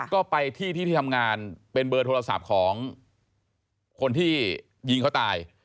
ก็ไปที่ที่ทำงานเป็นเบอร์โทรศัพท์ของคนที่ยิงเขาตาย